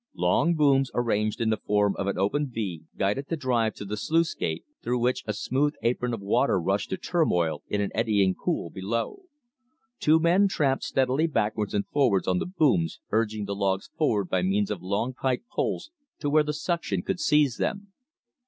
Long booms arranged in the form of an open V guided the drive to the sluice gate, through which a smooth apron of water rushed to turmoil in an eddying pool below. Two men tramped steadily backwards and forwards on the booms, urging the logs forward by means of long pike poles to where the suction could seize them.